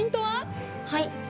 はい。